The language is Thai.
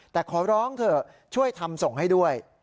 แต่ขอร้องเถอะช่วยทำส่งให้ด้วย